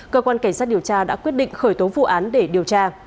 cơ quan cảnh sát điều tra đã quyết định khởi tố vụ án để điều tra